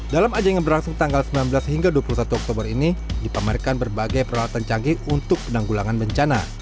dalam ajang yang berlangsung tanggal sembilan belas hingga dua puluh satu oktober ini dipamerkan berbagai peralatan canggih untuk penanggulangan bencana